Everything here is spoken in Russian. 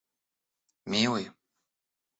милый